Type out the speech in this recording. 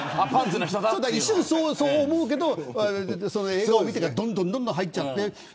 一瞬そう思うけど映画を見ていたらどんどん入っちゃう。